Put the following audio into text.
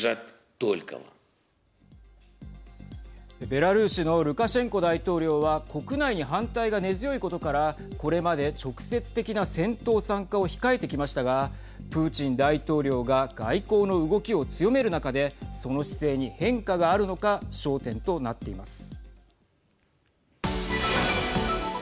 ベラルーシのルカシェンコ大統領は国内に反対が根強いことからこれまで直接的な戦闘参加を控えてきましたがプーチン大統領が外交の動きを強める中でその姿勢に変化があるのか焦点となっています。